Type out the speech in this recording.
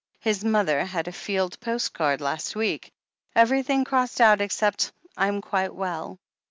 His mother had a field postcard last week. Everything crossed out except 'I am quite well.'